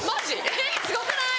えっすごくない？